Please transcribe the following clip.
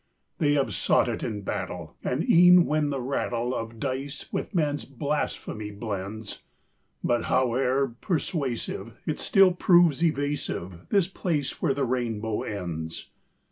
They have sought it in battle, And e'en where the rattle Of dice with man's blasphemy blends; But howe'er persuasive, It still proves evasive, This place where the rainbow ends.